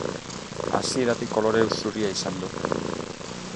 Hasieratik kolore zuria izan du.